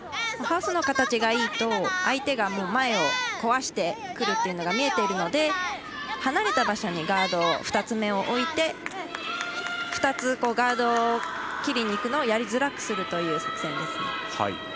ハウスの形がいいと相手が前を壊してくるというのが見えているので、離れた場所にガード、２つ目を置いて２つ、ガードを切りにいくのをやりづらくするという作戦ですね。